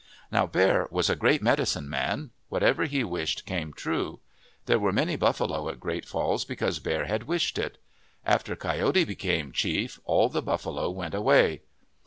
Now Bear was a great medicine man. Whatever he wished came true. There were many buffalo at Great Falls because Bear had wished it. After Co yote became chief all the buffalo went away.